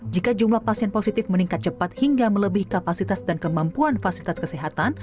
jika jumlah pasien positif meningkat cepat hingga melebihi kapasitas dan kemampuan fasilitas kesehatan